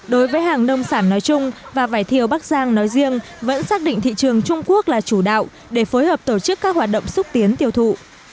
đối với hàng nông sản nói chung và vải thiều bắc giang nói riêng vẫn xác định thị trường trung quốc là chủ đạo để phối hợp tổ chức các hoạt động xúc tiến tiêu thụ